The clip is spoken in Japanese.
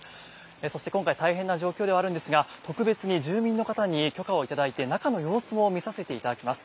そして、今回大変な状況ではあるんですが特別に住民の方に許可を頂いて中の様子を見させていただきます。